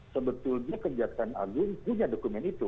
sebetulnya kejaksaan agung punya dokumen itu